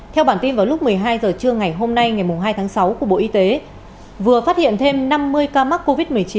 theo bản tin vào lúc một mươi hai h trưa ngày hôm nay ngày hai tháng sáu của bộ y tế vừa phát hiện thêm năm mươi ca mắc covid một mươi chín